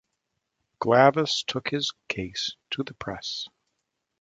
Glavis took his case to the press.